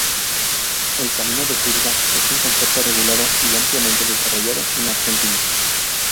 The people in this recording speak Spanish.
El camino de sirga es un concepto regulado y ampliamente desarrollado en Argentina.